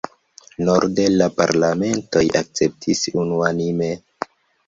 Norde la parlamentoj akceptis unuanime.